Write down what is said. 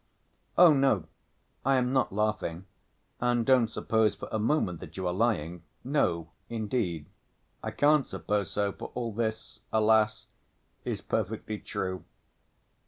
"Oh, no, I am not laughing and don't suppose for a moment that you are lying. No, indeed, I can't suppose so, for all this, alas! is perfectly true.